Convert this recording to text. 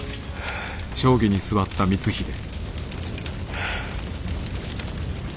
はあ。